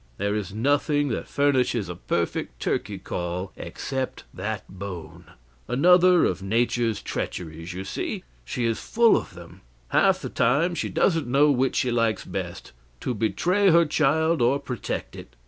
There is nothing that furnishes a perfect turkey call except that bone. Another of Nature's treacheries, you see. She is full of them; half the time she doesn't know which she likes best to betray her child or protect it.